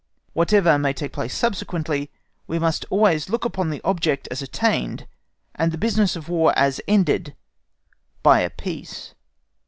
Whatever may take place subsequently, we must always look upon the object as attained, and the business of War as ended, by a peace.